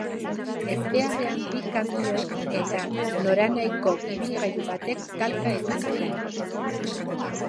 Ezbeharrean bi kamioik eta noranahiko ibilgailu batek talka egin zuten.